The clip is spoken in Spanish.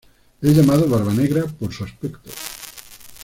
Es llamado barbanegra por su aspecto.